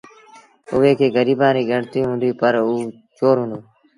اُئي کي گريبآنٚ ريٚ ڳڻتيٚ هُنٚديٚ پر اوٚ چور هُݩدو۔